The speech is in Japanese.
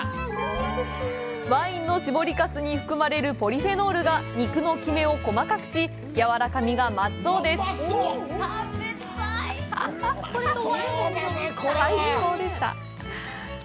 ワインの搾りかすに含まれるポリフェノールが肉のキメを細かくし、やわらかみが増すそうです。